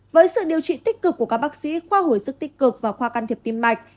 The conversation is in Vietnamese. với sự điều trị tích cực của các bác sĩ khoa hồi sức tích cực và khoa can thiệp tim mạch